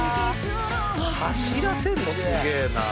走らせんのすげえなあ。